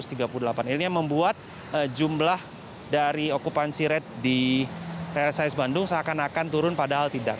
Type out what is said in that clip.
ini yang membuat jumlah dari okupansi rate di rsis bandung seakan akan turun padahal tidak